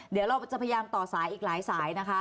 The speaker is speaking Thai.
เดี๋ยวเราจะพยายามต่อสายอีกหลายสายนะคะ